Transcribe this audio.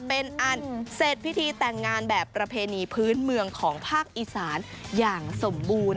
เป็นอันเสร็จพิธีแต่งงานแบบประเพณีพื้นเมืองของภาคอีสานอย่างสมบูรณ